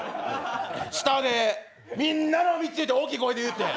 下でみんなの道って大きい声で言うて。